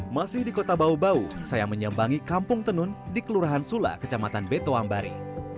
masih di kota bau bau saya menyembangi kampung tenun di kelurahan sula kecamatan betoambari